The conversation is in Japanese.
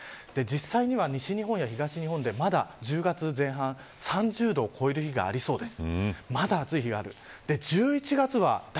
実際には西日本や東日本でまだ１０月前半３０度を超える日がありそうです。